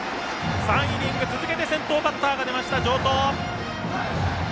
３イニング続けて先頭バッターが出ました、城東。